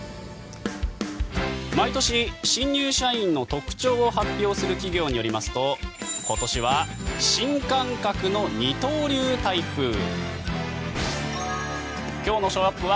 毎年、新入社員の特徴を発表する企業によりますと今年は新感覚の二刀流タイプ。